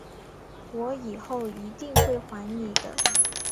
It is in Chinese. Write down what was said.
我以后一定会还你的